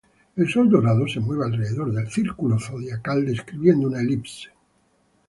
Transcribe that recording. El sol dorado se mueve alrededor del círculo zodiacal, describiendo una elipse.